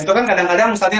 itu kan kadang kadang misalnya